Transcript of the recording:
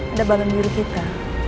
ada bangun diri kita